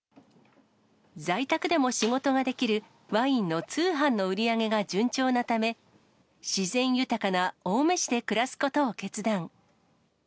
在宅でも仕事ができる、ワインの通販の売り上げが順調なため、自然豊かな青梅市で暮らすことを決断。